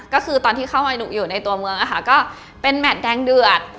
ก็คือตอนที่เข้ามาอยู่ในตัวเมืองนะคะก็เป็นแมทแดงเดือด